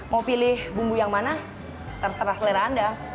mau pilih bumbu yang mana terserah selera anda